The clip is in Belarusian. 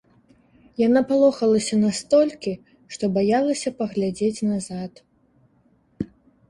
Я напалохалася настолькі, што баялася паглядзець назад.